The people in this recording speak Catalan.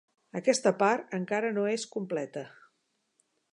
Aquesta part encara no és completa.